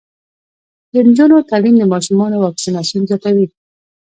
د نجونو تعلیم د ماشومانو واکسیناسیون زیاتوي.